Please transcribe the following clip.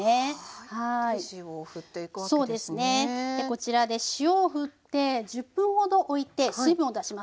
こちらで塩をふって１０分ほどおいて水分を出します。